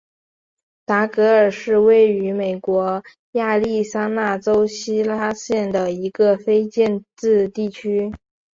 达格尔是位于美国亚利桑那州希拉县的一个非建制地区。